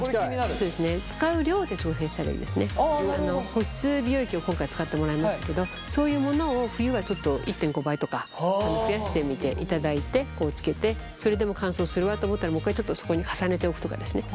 保湿美容液を今回使ってもらいましたけどそういうものを冬はちょっと１．５倍とか増やしてみていただいてつけてそれでも乾燥するわと思ったらもう一回ちょっとそこに重ねておくとかですね